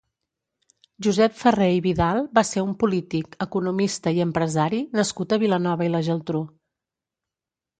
Josep Ferrer i Vidal va ser un polític, economista i empresari nascut a Vilanova i la Geltrú.